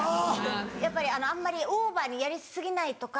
やっぱりあんまりオーバーにやり過ぎないとか。